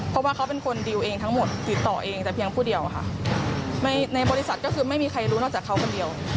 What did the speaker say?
คนกระทบที่เกิดขึ้นมีอะไรบ้างครับคุณตาน